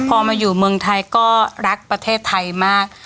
พอมาอยู่เมืองไทยก็รักประเทศไทยมาก